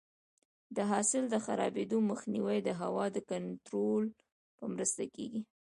د حاصل د خرابېدو مخنیوی د هوا د کنټرول په مرسته کېږي.